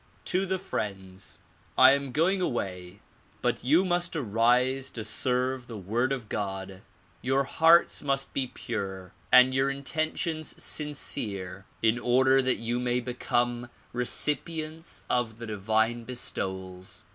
To the Friends 1 am going away but you must arise to serve the Word of God. Your hearts must be pure and your intentions sincere in order that you may become recipients of the divine bestowals.